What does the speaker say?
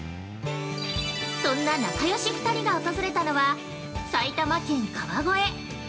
そんな仲よし２人が訪れたのは埼玉県川越。